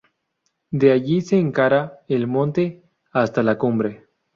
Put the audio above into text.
De allí se encara el monte hasta la cumbre.